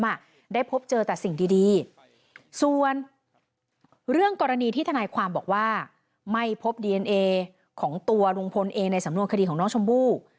ได้พบเจอแต่สิ่งดีดีส่วนเรื่องกรณีที่ทนายความบอกว่าไม่พบดีเอนเอของตัวลุงพลเองในสำนวนคดีของน้องชมพู่